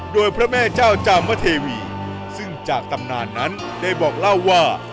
โดยพระแม่เจ้าจามเทวีซึ่งจากตำนานนั้นได้บอกเล่าว่า